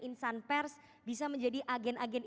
insan pers bisa menjadi agen agen